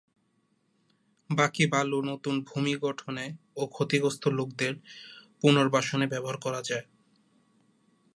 বাকি বালু নতুন ভূমি গঠনে ও ক্ষতিগ্রস্ত লোকদের পুনর্বাসনে ব্যবহার করা যায়।